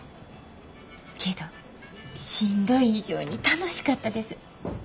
けどしんどい以上に楽しかったです。